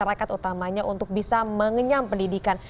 masyarakat utamanya untuk bisa mengenyam pendidikan